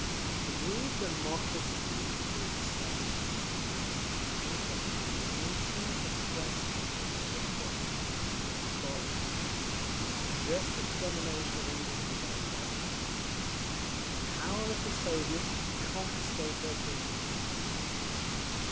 The rule of the democracy which is being established in Russia demands that the domination of the Press by private property must be abolished, just as the domination of industry by private property…. The power of the Soviets should confiscate all printing plants."